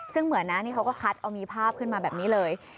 ซึ่งเหมือนนะนี่เขาก็คัดเอามีภาพขึ้นมาแบบนี้เลย